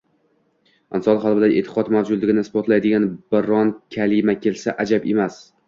inson qalbida eʼtiqod mavjudligini isbotlaydigan biron kalima kelsa, ajab emas.